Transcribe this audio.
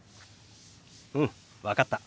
うん分かった。